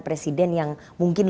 presiden yang mungkin